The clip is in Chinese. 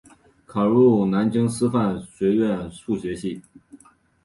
后考入南京师范学院数学系。